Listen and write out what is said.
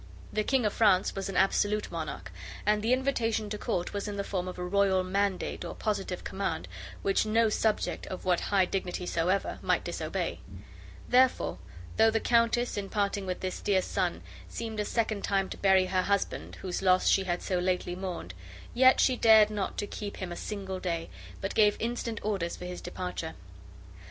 The King of France was an absolute monarch and the invitation to court was in the form of a royal mandate, or positive command, which no subject, of what high dignity soever, might disobey; therefore, though the countess, in parting with this dear son, seemed a second time to bury her husband, whose loss she had so lately mourned, yet she dared not to keep him a single day, but gave instant orders for his departure.